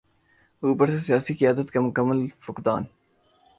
اوپر سے سیاسی قیادت کا مکمل فقدان۔